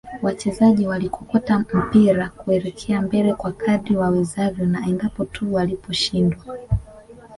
Wachezaji walikokota mipira kuelekea mbele kwa kadri wawezavyo na endapo tu waliposhindwa